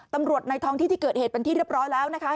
ในท้องที่ที่เกิดเหตุเป็นที่เรียบร้อยแล้วนะคะ